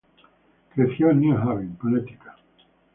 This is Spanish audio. Creció en New Haven, Connecticut.